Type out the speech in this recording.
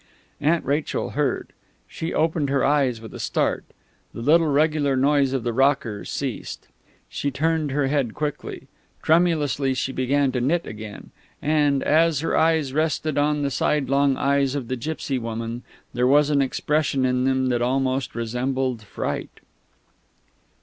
And Aunt Rachel heard. She opened her eyes with a start. The little regular noise of the rocker ceased. She turned her head quickly; tremulously she began to knit again; and, as her eyes rested on the sidelong eyes of the gipsy woman, there was an expression in them that almost resembled fright.